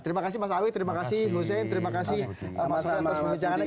terima kasih mas awi terima kasih lusen terima kasih mas antas untuk perbincangan ini